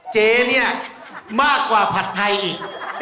เจ๊เนี้ยมากกว่าผัตเราอีก